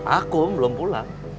akum belum pulang